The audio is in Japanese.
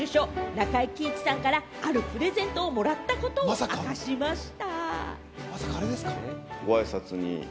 中井貴一さんからあるプレゼントをもらったことを明かしました。